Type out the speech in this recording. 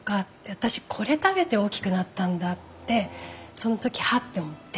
私これ食べて大きくなったんだってその時ハッて思って。